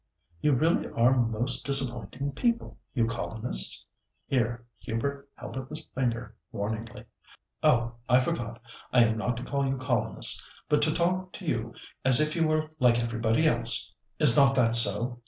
"You really are most disappointing people—you colonists." Here Hubert held up his finger warningly. "Oh! I forgot. I am not to call you colonists, but to talk to you as if you were like everybody else—is not that so?